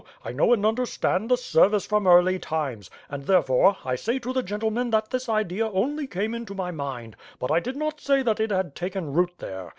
I know and understand the service from early times; and, therefore, I say to the gentlemen that this idea only came into my mind, but I did not say that it had taken root there.